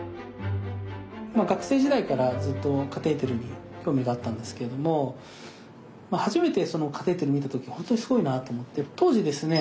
学生時代からずっとカテーテルに興味があったんですけれども初めてそのカテーテルを見た時本当にすごいなと思って当時ですね